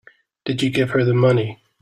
Did you give her the money?